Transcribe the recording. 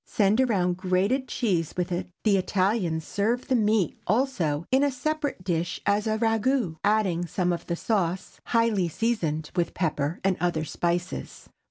Send around grated cheese with it. The Italians serve the meat also in a separate dish as a ragoût, adding some of the sauce, highly seasoned with pepper and other spices.